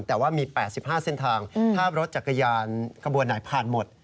แต่ว่ามี๘๕เส้นทางถ้ารถจักรยานขบวนไหนผ่านหมด